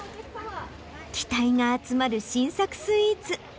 期待が集まる新作スイーツ。